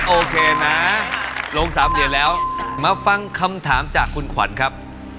โอเคนะลง๓เหรียญแล้วมาฟังคำถามจากคุณขวัญครับ